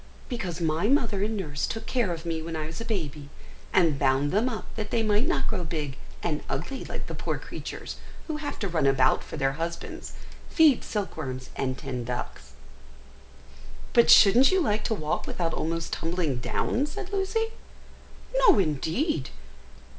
"Because my mother and nurse took care of me when I was a baby, and bound them up that they might not grow big and ugly like the poor creatures who have to run about for their husbands, feed silkworms, and tend ducks!" "But shouldn't you like to walk without almost tumbling down?" said Lucy. "No, indeed!